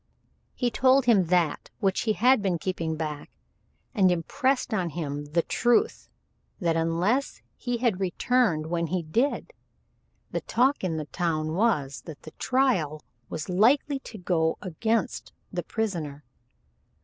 He told him that which he had been keeping back, and impressed on him the truth that unless he had returned when he did, the talk in the town was that the trial was likely to go against the prisoner.